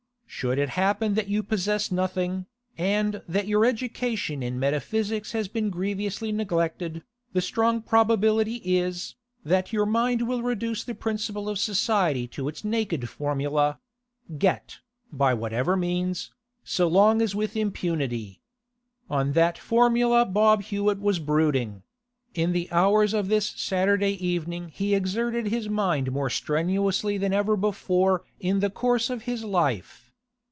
Should it happen that you possess nothing, and that your education in metaphysics has been grievously neglected, the strong probability is that your mind will reduce the principle of society to its naked formula: Get, by whatever means, so long as with impunity. On that formula Bob Hewett was brooding; in the hours of this Saturday evening he exerted his mind more strenuously than ever before in the course of his life.